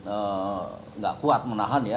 enggak kuat menahan ya